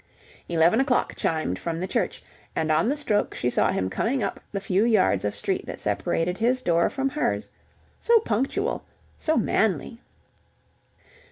Eleven o'clock chimed from the church, and on the stroke she saw him coming up the few yards of street that separated his door from hers. So punctual! So manly!